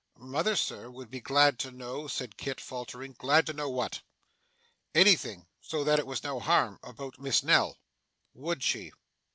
'Mother, sir, would be glad to know ' said Kit, faltering. 'Glad to know what?' 'Anything so that it was no harm about Miss Nell.' 'Would she?